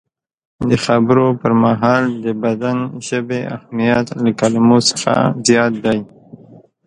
د خبرو پر مهال د بدن ژبې اهمیت له کلمو څخه زیات دی.